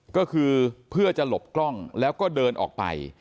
ก็คือเพื่อจะหลบกล้องแล้วก็เดินออกไป